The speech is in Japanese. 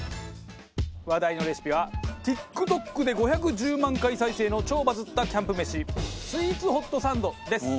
話題のレシピはＴｉｋＴｏｋで５１０万回再生の超バズったキャンプ飯スイーツホットサンドです。